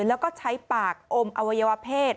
แล้วก็ใช้ปากอมอวัยวเพศ